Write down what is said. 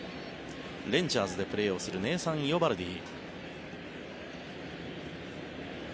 レンジャーズでプレーをするネーサン・イオバルディ。